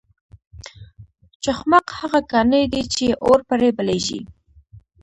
چخماق هغه کاڼی دی چې اور پرې بلیږي.